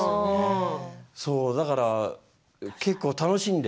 そう、だから結構楽しんで。